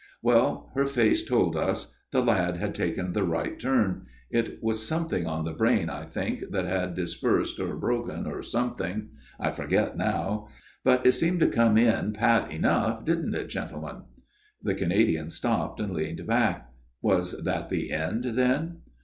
" Well, her face told us. The lad had taken the right turn. It was something on the brain, I think, that had dispersed or broken, or something I forget now but it seemed to come in pat enough, didn't it, gentlemen ?" The Canadian stopped and leaned back. Was that the end, then